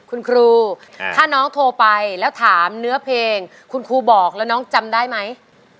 คุณครูถ้าน้องโทรไปแล้วถามเนื้อเพลงคุณครูบอกแล้วน้องจำได้ไหม